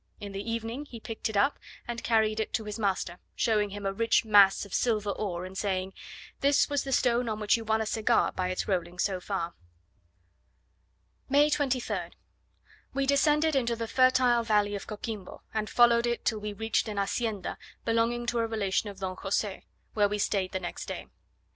In the evening he picked it up and carried it to his master, showing him a rich mass of silver ore, and saying, "This was the stone on which you won a cigar by its rolling so far." May 23rd. We descended into the fertile valley of Coquimbo, and followed it till we reached an Hacienda belonging to a relation of Don Jose, where we stayed the next day.